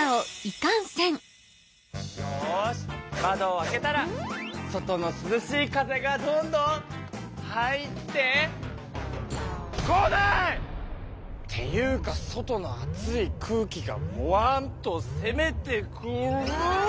よし窓を開けたら外のすずしい風がどんどん入って。来ない！っていうか外の暑い空気がボワンとせめてくる。